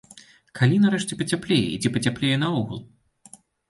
Калі нарэшце пацяплее і ці пацяплее наогул?